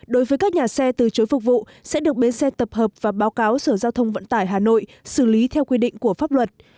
đối với các nhà xe từ chối phục vụ sẽ được bến xe tập hợp và báo cáo sở giao thông vận tải hà nội xử lý theo quy định của pháp luật